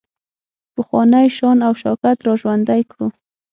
پخوانی شان او شوکت را ژوندی کړو.